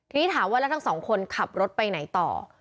ทีนี้ถามว่าแล้วทั้งสองคนขับรถไปไหนต่อ